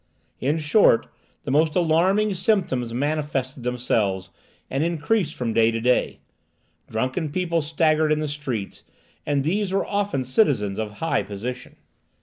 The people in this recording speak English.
In short, the most alarming symptoms manifested themselves and increased from day to day. Drunken people staggered in the streets, and these were often citizens of high position.